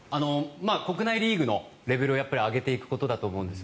国内リーグのレベルを上げていくことだと思うんです。